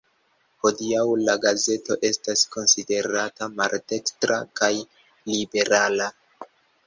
Hodiaŭ la gazeto estas konsiderata maldekstra kaj liberala.